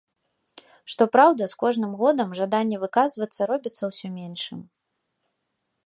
Што праўда, з кожным годам жаданне выказвацца робіцца ўсё меншым.